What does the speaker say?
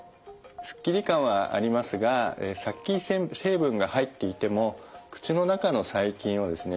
すっきり感はありますが殺菌成分が入っていても口の中の細菌をですね